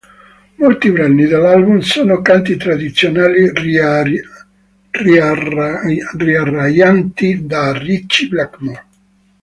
Molti brani dell'album sono canti tradizionali riarrangiati da Ritchie Blackmore.